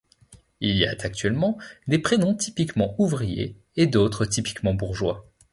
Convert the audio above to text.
Il y a actuellement des prénoms typiquement ouvriers et d'autres typiquement bourgeois.